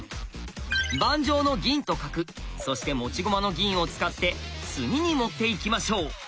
盤上の銀と角そして持ち駒の銀を使って詰みに持っていきましょう。